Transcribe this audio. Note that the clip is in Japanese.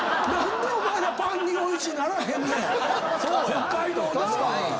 北海道な。